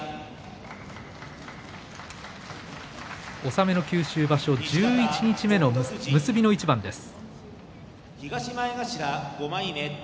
納めの九州場所十一日目、結びの一番です。